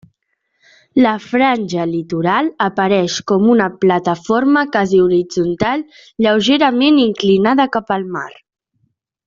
La franja litoral apareix com una plataforma quasi horitzontal, lleugerament inclinada cap al mar.